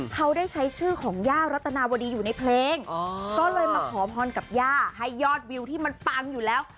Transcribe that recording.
เขาได้ใช้ชื่อของย่ารัตนาวดีอยู่ในเพลงก็เลยมาขอพรกับย่าให้ยอดวิวที่มันปังอยู่แล้ว